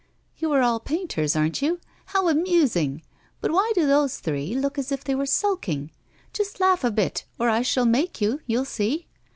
'You are all painters, aren't you? How amusing! But why do those three look as if they were sulking. Just laugh a bit, or I shall make you, you'll see!